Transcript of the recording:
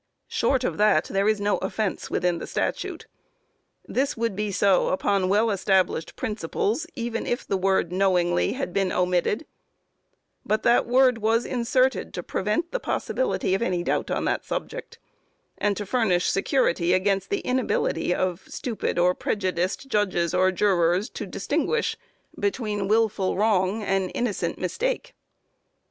Short of that there is no offence within the statute. This would be so upon well established principles, even if the word "knowingly" had been omitted, but that word was inserted to prevent the possibility of doubt on the subject, and to furnish security against the inability of stupid or prejudiced judges or jurors, to distinguish between wilful wrong and innocent mistake.